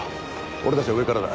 俺たちは上からだ。